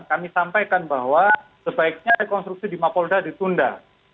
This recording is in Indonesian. kami sampaikan bahwa sebaiknya rekonstruksi di mapolda ditunda